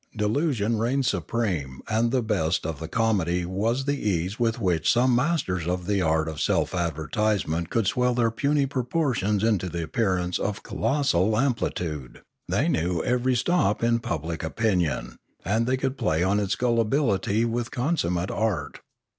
Delusion reigned supreme and the best of the comedy was the ease with which some masters of the art of self advertisement could swell their puny proportions into the appearance of colossal amplitude; they knew every stop in public opinion, and could play on its gullibility with consummate art.